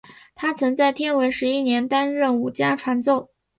他曾在天文十一年担任武家传奏。